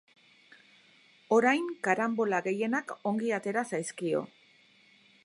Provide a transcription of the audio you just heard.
Orain karanbola gehienak ongi atera zaizkio.